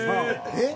えっ！